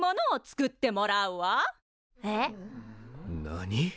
えっ？何？